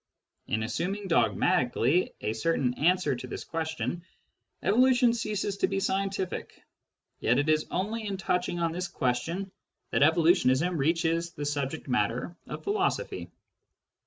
In assuming dogmatically a certain answer to this question, evolutionisnci ceases to be scientific, yet it is only in touching on this question that evolutionism reaches the subject matter of philosophy.